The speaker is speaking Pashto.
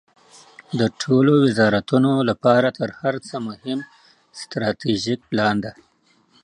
د ټولو وزارتونو لپاره تر هر څه مهم استراتیژیک پلان ده.